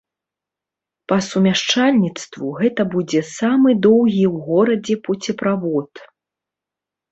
Па сумяшчальніцтву, гэта будзе самы доўгі ў горадзе пуцеправод.